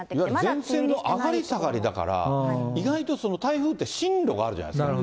前線の上がり下がりだから、意外と台風って、進路があるじゃないですか。